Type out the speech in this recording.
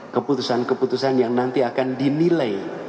keputusan keputusan yang nanti akan dinilai